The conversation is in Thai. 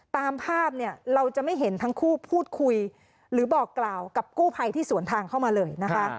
ตามภาพเนี่ยเราจะไม่เห็นทั้งคู่พูดคุยหรือบอกกล่าวกับกู้ภัยที่สวนทางเข้ามาเลยนะคะ